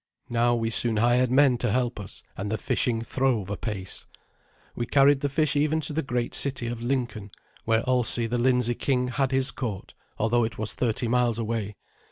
Now we soon hired men to help us, and the fishing throve apace. We carried the fish even to the great city of Lincoln, where Alsi the Lindsey king had his court, though it was thirty miles away.